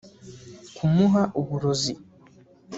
kumuha uburozi